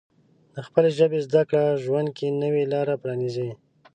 د خپلې ژبې زده کړه ژوند کې نوې لارې پرانیزي.